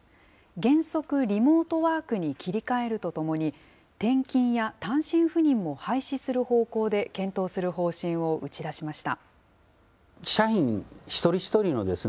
原則、リモートワークに切り替えるとともに、転勤や単身赴任も廃止する方向で検討する方針を打ち出しました。